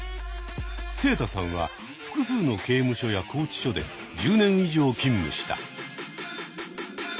セイタさんは複数の刑務所や拘置所で１０年以上勤務した。